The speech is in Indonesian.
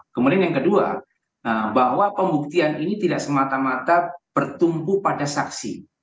kemudian yang kedua bahwa pembuktian ini tidak semata mata bertumpu pada saksi